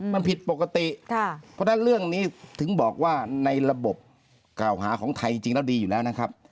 มันผิดปกติเพราะฉะนั้นเรื่องนี้ถึงบอกว่าในระบบกล่าวหาของไทยจริงแล้วดีอยู่แล้วนะครับ